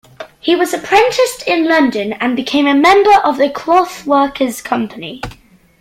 He was apprenticed in London and became a member of the Clothworkers' Company.